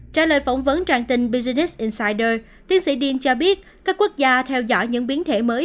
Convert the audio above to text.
trả lời phỏng vấn trang tin business incyders tiến sĩ din cho biết các quốc gia theo dõi những biến thể mới